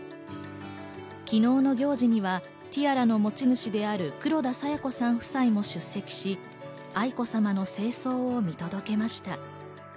昨日の行事にはティアラの持ち主である黒田清子さん夫妻も出席し、愛子さまの正装を見届けました。